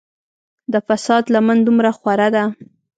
د فساد لمن دومره خوره ده.